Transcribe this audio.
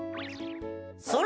それ！